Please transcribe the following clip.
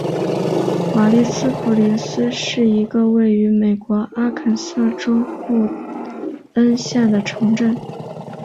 瓦利斯普林斯是一个位于美国阿肯色州布恩县的城镇。